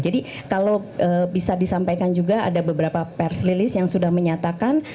jadi kalau bisa disampaikan juga ada beberapa perslilis yang sudah menyatakan